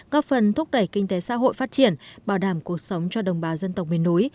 góp phần thúc đẩy kinh tế xã hội phát triển bảo đảm cuộc sống cho đồng bào dân tộc miền núi